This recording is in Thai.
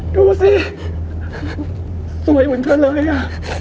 ดูสิสวยเหมือนเธอเลยอ่ะ